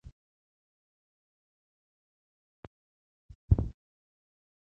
د مسکو د اور لګېدنې پېښه په کتاب کې شته.